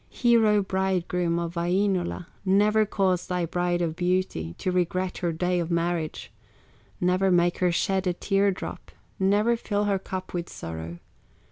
"Hero bridegroom of Wainola, Never cause thy Bride of Beauty To regret her day of marriage; Never make her shed a tear drop, Never fill her cup with sorrow.